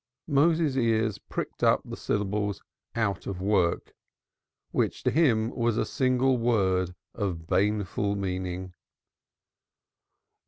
Moses's ears pricked up at the syllables "out of work," which to him was a single word of baneful meaning.